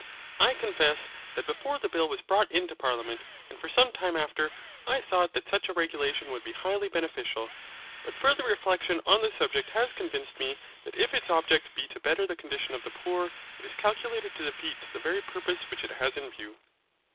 I confess, that before the bill was brought into Parliament, and for some time after, I thought that such a regulation would be highly beneficial, but further reflection on the subject has convinced me that if its object be to better the condition of the poor, it is calculated to defeat the very purpose which it has in view.